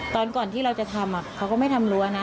ตอนก่อนที่เราจะทำเขาก็ไม่ทำรั้วนะ